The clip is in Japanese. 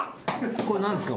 これ何ですか？